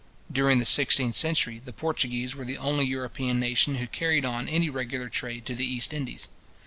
During the sixteenth century, the Portuguese were the only European nation who carried on any regular trade to the East Indies.